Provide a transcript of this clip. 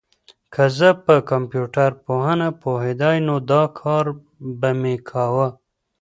که زه په کمپيوټر پوهنه پوهېدای، نو دا کار به مي کاوه.